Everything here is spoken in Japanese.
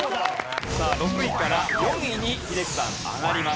さあ６位から４位に英樹さん上がります。